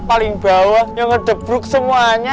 paling bawah yang ngedebruk semuanya